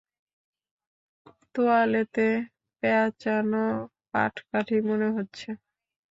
তোয়ালেতে প্যাচানো পাটকাঠি মনে হচ্ছে!